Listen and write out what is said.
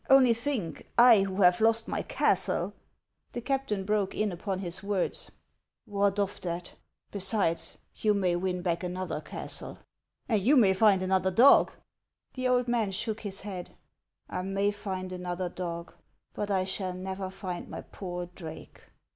Only think, I, who have lost my castle —" 332 HAKS OF ICELAND. The captain broke in upon his words :—" What of that ? Besides, you may win back another castle." " Aud you may find another dog " The old man shook his head. " I may find another dog, but I shall never find my poor Drake."